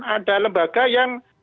ada lembaga yang